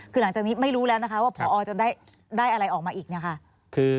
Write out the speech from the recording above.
คือหลังจากนี้ไม่รู้แล้วนะคะว่าพอจะได้อะไรออกมาอีกเนี่ยค่ะ